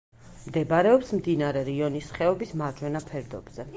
მდებარეობს მდინარე რიონის ხეობის მარჯვენა ფერდობზე.